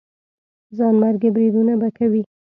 ځانمرګي بریدونه به کوي.